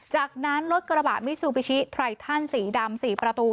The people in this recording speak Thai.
จากนั้นรถกระบะมิซูบิชิไททันสีดำ๔ประตู